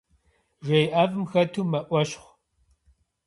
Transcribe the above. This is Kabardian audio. Жей ӏэфӏым хэту мэӏуэщхъу.